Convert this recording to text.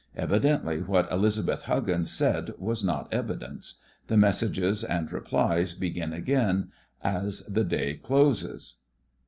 Evi dently what Elizabeth Huggins said was not evidence. The messages and replies begin again as the day closes.